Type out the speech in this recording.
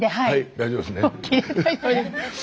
はい。